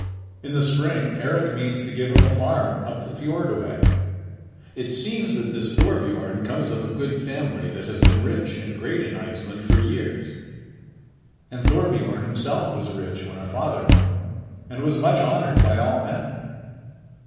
In the spring Eric means to give him a farm up the fiord a way. It seems that this Thorbiorn comes of a good family that has been rich and great in Iceland for years. And Thorbiorn himself was rich when our father knew him, and was much honored by all men.